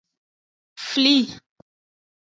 Fli.